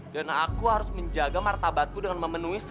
dan aku harus menjaga martabatku dengan memenuhi diri aku